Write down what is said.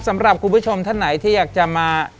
สำหรับคุณผู้ชมท่านไหนที่อยากจะมา